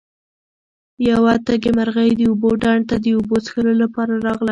یوه تږې مرغۍ د اوبو ډنډ ته د اوبو څښلو لپاره راغله.